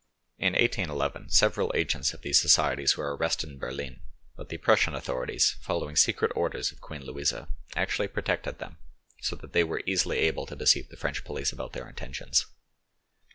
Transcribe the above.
In 1811 several agents of these societies were arrested in Berlin, but the Prussian authorities, following secret orders of Queen Louisa, actually protected them, so that they were easily able to deceive the French police about their intentions.